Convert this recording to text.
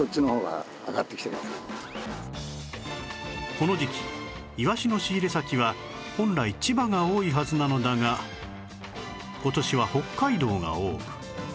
この時期イワシの仕入れ先は本来千葉が多いはずなのだが今年は北海道が多く